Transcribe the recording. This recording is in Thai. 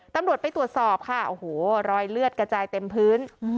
ตำรวจไปตรวจสอบค่ะโอ้โหรอยเลือดกระจายเต็มพื้น